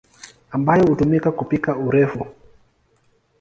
ambayo hutumika kupika urefu.